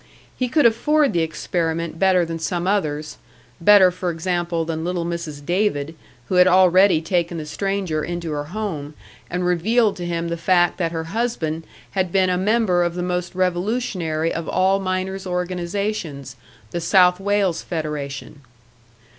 He could afford the experiment better than some others better, for example, than little Mrs. David, who had already taken the stranger into her home, and revealed to him the fact that her husband had been a member of the most revolutionary of all miners' organisations, the South Wales Federation.